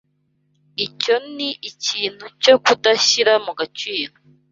Icyo ni ikintu cyo kudashyira mu gaciro.